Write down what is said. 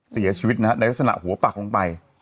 เสียชีวิตนะฮะในลักษณะหัวปักลงไป